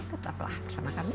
tetaplah bersama kami